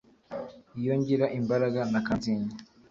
iyo ngira imbaraga na kanzinya